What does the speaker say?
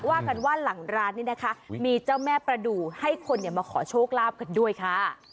ว่ากันว่าหลังร้านนี้นะคะมีเจ้าแม่ประดูกให้คนมาขอโชคลาภกันด้วยค่ะ